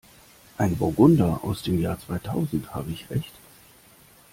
Ein Burgunder aus dem Jahr zweitausend, habe ich recht?